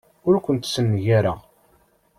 Ur kent-ssengareɣ.